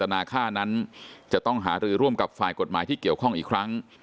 นาค่านั้นจะต้องหารือร่วมกับฝ่ายกฎหมายที่เกี่ยวข้องอีกครั้ง